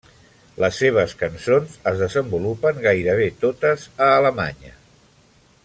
Les seves cançons es desenvolupen gairebé totes a Alemanya.